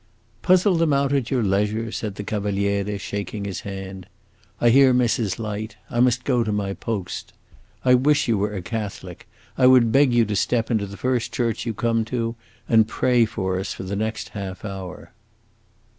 "Puzzle them out at your leisure," said the Cavaliere, shaking his hand. "I hear Mrs. Light; I must go to my post. I wish you were a Catholic; I would beg you to step into the first church you come to, and pray for us the next half hour."